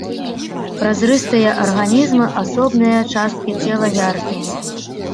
Празрыстыя арганізмы, асобныя часткі цела яркія.